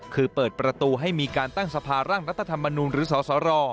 คือเปิดประตูให้มีการตั้งสภาร่างรัฐธรรมนูลหรือสสร